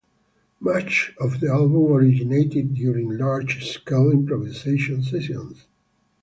Much of the album originated during large-scale improvisation sessions.